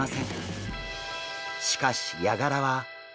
しかしヤガラは。